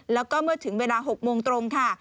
แล้วก็เมื่อถึงเวลา๖โมงตรงค่ะ